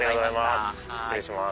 失礼します。